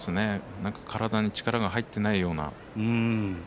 何か体に力が入っていないような。